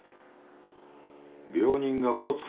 病人がうろつくな。